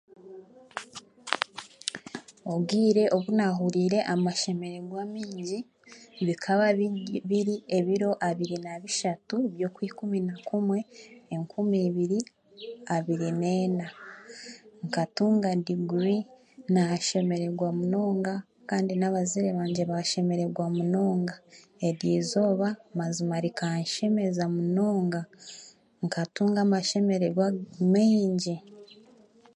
Obwire obu naahuuriire amashemererwa maingi bikaba biri ebiro abiri n'abishatu by'okwikumi na kumwe enkumi ibiri abiri n'ena. Nkatunga diiguri naashemererwa munonga kandi n'abazaire bangye baashemerwa munonga. eryo eizooba mazima rinkanshemeza. Nkatunga amashemererwa maingi.